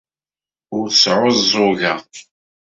Ur sɛuẓẓugeɣ.